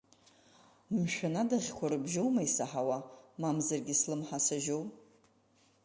Мшәан, адаӷьқәа рыбжьоума исаҳауа, мамзаргьы слымҳа сажьоу?